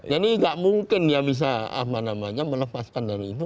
jadi gak mungkin ya bisa mana mana melepaskan dari itu